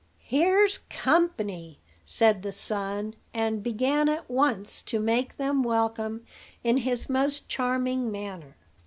here's company," said the sun, and began at once to make them welcome in his most charming manner.